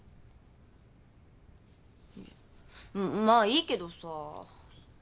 まあいいけどさ。